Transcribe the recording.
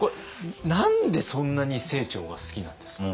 何でそんなに清張が好きなんですか？